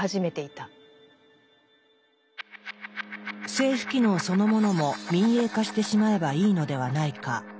政府機能そのものも民営化してしまえばいいのではないか。